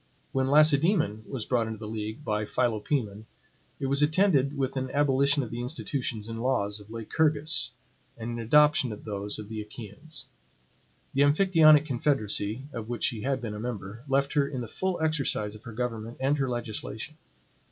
When Lacedaemon was brought into the league by Philopoemen, it was attended with an abolition of the institutions and laws of Lycurgus, and an adoption of those of the Achaeans. The Amphictyonic confederacy, of which she had been a member, left her in the full exercise of her government and her legislation.